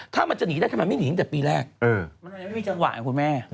ถ้ามันจะหนีได้ทำไมไม่หนีตั้งแต่ปีแรกมันยังไม่มีจังหวะคุณแม่